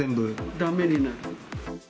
だめになる。